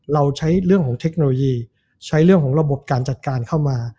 เราใช้เรื่องของเทคโนโลยีใช้เรื่องของระบบการจัดการเข้ามา